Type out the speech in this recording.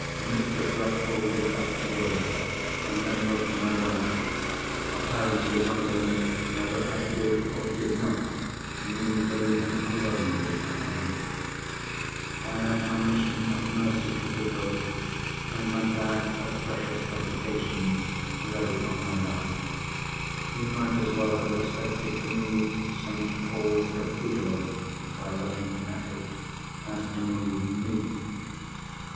Mr. Bruff folded up the Will, and then looked my way; apparently wondering whether I did or did not mean to leave him alone with my aunt. I had my mission of mercy to fulfil, and my bag of precious publications ready on my lap. He might as well have expected to move St. Paul's Cathedral by looking at it, as to move Me.